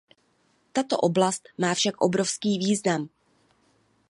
Tato oblast má však obrovský význam.